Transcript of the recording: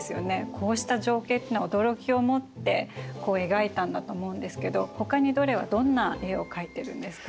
こうした情景っていうのは驚きを持って描いたんだと思うんですけどほかにドレはどんな絵を描いてるんですか？